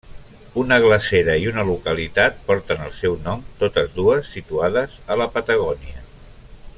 Una glacera i una localitat porten el seu nom, totes dues situades a la Patagònia.